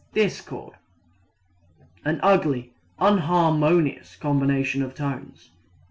Discord an ugly, unharmonious combination of tones.